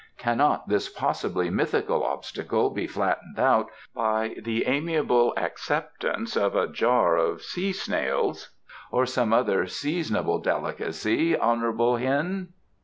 Cannot this possibly mythical obstacle be flattened out by the amiable acceptance of a jar of sea snails or some other seasonable delicacy, honourable Hien?"